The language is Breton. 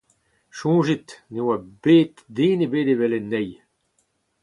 Soñjit ! ne oa bet den ebet o welout anezhi !